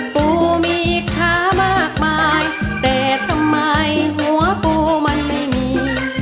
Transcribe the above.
ปูมีขามากมายแต่ทำไมหัวปูมันไม่มี